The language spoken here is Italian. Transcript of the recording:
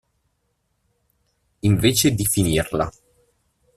Invece di finirla.